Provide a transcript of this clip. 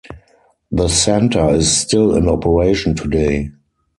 The center is still in operation today.